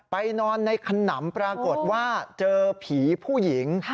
นอนในขนำปรากฏว่าเจอผีผู้หญิง